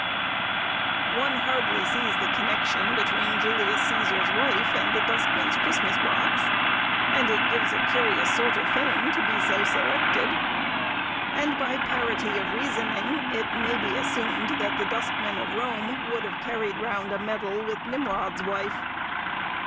_'" One hardly sees the connection between "Julius Cæsar's wife" and the dustman's Christmas box, and it gives a curious sort of fame to be so selected; and, by parity of reasoning, it may be assumed that the dustmen of Rome would have carried round a medal with Nimrod's wife.